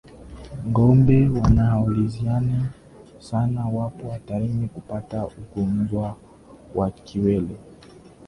Ngombe wanaozaliana sana wapo hatarini kupata ugonjwa wa kiwele